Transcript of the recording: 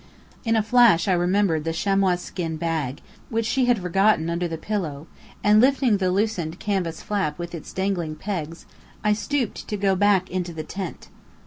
In a flash I remembered the chamois skin bag, which she had forgotten under the pillow: and lifting the loosened canvas flap with its dangling pegs, I stooped to go back into the tent.